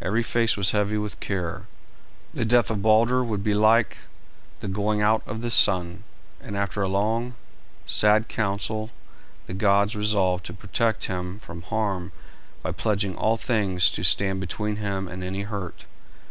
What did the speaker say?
Every face was heavy with care. The death of Balder would be like the going out of the sun, and after a long, sad council the gods resolved to protect him from harm by pledging all things to stand between him and any hurt.